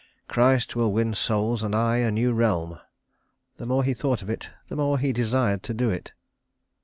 Christ will win souls and I a new realm." The more he thought of it the more he desired to do it.